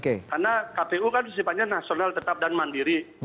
karena kpu kan sifatnya nasional tetap dan mandiri